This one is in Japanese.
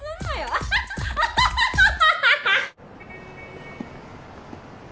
アハハハハッ！